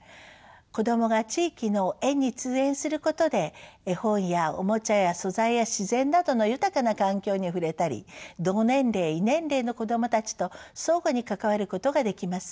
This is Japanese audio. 子どもが地域の園に通園することで絵本やおもちゃや素材や自然などの豊かな環境に触れたり同年齢異年齢の子どもたちと相互に関わることができます。